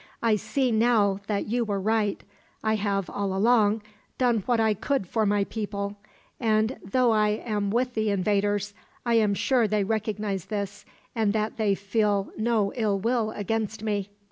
I see, now, that you were right. I have, all along, done what I could for my people; and though I am with the invaders, I am sure they recognize this, and that they feel no ill will against me.